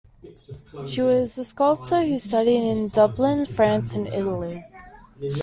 She was a sculptor who studied in Dublin, France, and Italy.